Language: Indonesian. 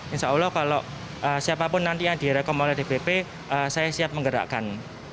insya allah kalau siapapun nanti yang direkom oleh dpp saya siap menggerakkan